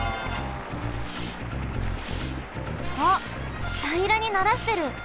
あったいらにならしてる！